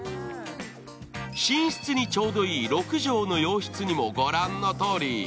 寝室にちょうどいい６畳の洋室にもご覧のとおり。